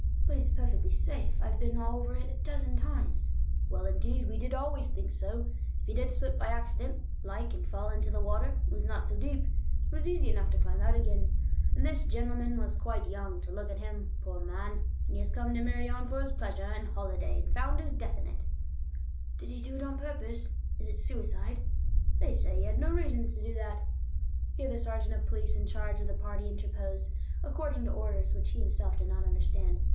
"But it's perfectly safe. I've been all over it a dozen times." "Well, indeed, we did always think so. If you did slip by accident, like, and fall into the water, it was not so deep; it was easy enough to climb out again. And this gentleman was quite young, to look at him, poor man; and he has come to Meirion for his pleasure and holiday and found his death in it!" "Did he do it on purpose? Is it suicide?" "They say he had no reasons to do that." Here the sergeant of police in charge of the party interposed, according to orders, which he himself did not understand.